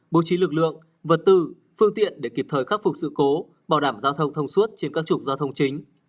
bố trí lực lượng vật tư phương tiện để kịp thời khắc phục sự cố bảo đảm giao thông thông suốt trên các trục giao thông chính